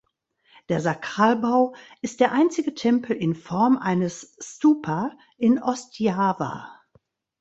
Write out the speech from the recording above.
Der Sakralbau ist der einzige Tempel in Form eines Stupa in Ostjava.